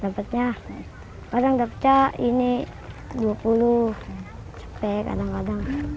dapatnya kadang dapatnya ini dua puluh cepet kadang kadang